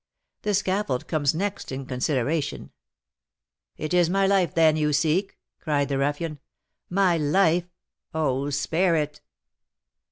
The scaffold comes next in consideration " "It is my life, then, you seek!" cried the ruffian. "My life! Oh, spare it!"